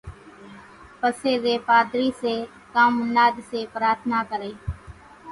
پسي زين پاڌري سي ڪان مناد سي پرارٿنا ڪري